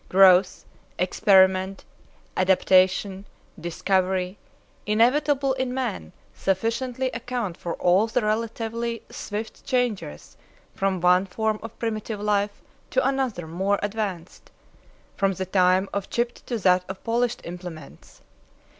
Growth, experiment, adaptation, discovery, inevitable in man, sufficiently account for all the relatively swift changes from one form of primitive life to another more advanced, from the time of chipped to that of polished implements.